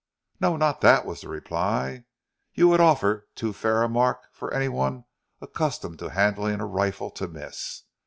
"No, not that," was the reply. "You would offer too fair a mark for any one accustomed to handling a rifle to miss.